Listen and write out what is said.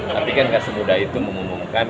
tapi kan gak semudah itu mengumumkan